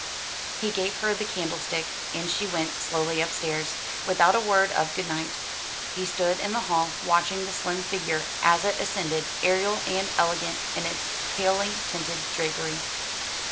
He gave her the candlestick, and she went slowly upstairs, without a word of good night. He stood in the hall, watching the slim figure as it ascended, aerial and elegant in its palely tinted drapery.